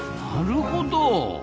なるほど！